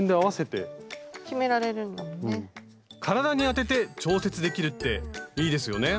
体に当てて調節できるっていいですよね